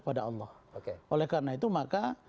pada allah oleh karena itu maka